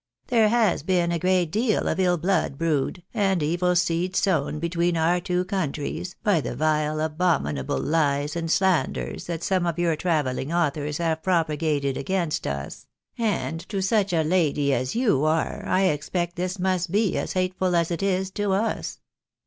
There has been a great deal of ill blood brewed, and evil seed sown between our two countries, by the vile abominable lies and slanders that some of your travelling authors have pro pagated against us ; and to such a lady as you are, I expect this must be as hateful as it is to us.